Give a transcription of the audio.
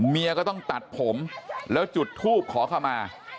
เมียก็ต้องตัดผมแล้วจุดทูบขอเข้ามา